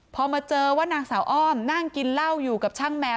พอมาเจอว่านางสาวอ้อมนั่งกินเหล้าอยู่กับช่างแมว